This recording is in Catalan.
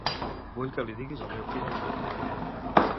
Vull que li diguis al meu fill on soc.